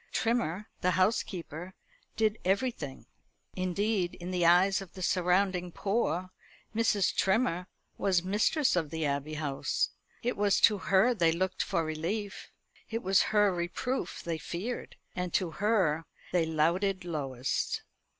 Trimmer, the housekeeper, did everything. Indeed, in the eyes of the surrounding poor, Mrs. Trimmer was mistress of the Abbey House. It was to her they looked for relief; it was her reproof they feared; and to her they louted lowest.